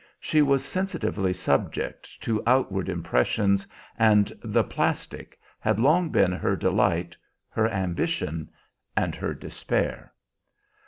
She was sensitively subject to outward impressions, and "the plastic" had long been her delight, her ambition, and her despair.